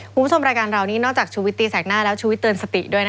คุณผู้ชมรายการเรานี้นอกจากชุวิตตีแสกหน้าแล้วชุวิตเตือนสติด้วยนะคะ